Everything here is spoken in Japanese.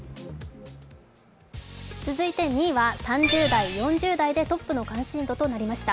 続いて２位は、３０代、４０代でトップの関心度しなりました。